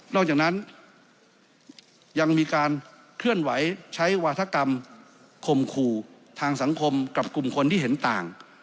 อกจากนั้นยังมีการเคลื่อนไหวใช้วาธกรรมคมขู่ทางสังคมกับกลุ่มคนที่เห็นต่าง